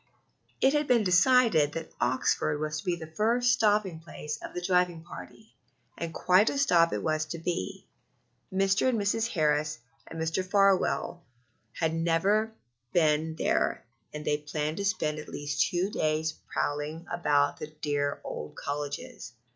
It had been decided that Oxford was to be the first stopping place of the driving party, and quite a stop it was to be. Mr. and Mrs. Harris and Mr. Farwell had never been there, and they planned to spend at least two days prowling about the dear old colleges.